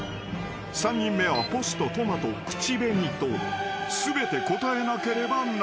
［３人目はポストトマト口紅と全て答えなければならない］